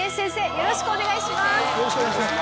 よろしくお願いします。